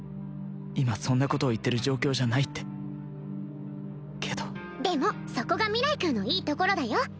今そんなことを言ってる状況じゃないってけどでもそこが明日君のいいところだよ